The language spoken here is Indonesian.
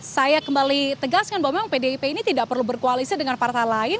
saya kembali tegaskan bahwa memang pdip ini tidak perlu berkoalisi dengan partai lain